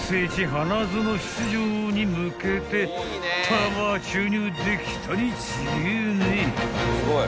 花園出場に向けてパワー注入できたに違えねえ］